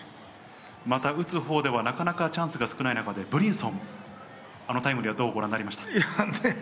また打つ方ではなかなかチャンスが少ない中でブリンソン、あのタイムリーはどうご覧になりました？